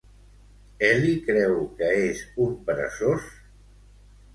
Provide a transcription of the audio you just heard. Ellie creu que és un peresós?